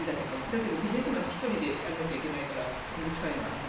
だけどビジネスマン１人でやらなきゃいけないから面倒臭いなと。